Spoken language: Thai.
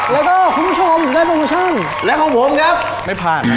แล้วก็คุณผู้ชมได้โปรโมชั่นและของผมครับไม่ผ่าน